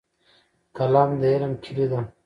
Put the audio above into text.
قلم د علم کیلي ده.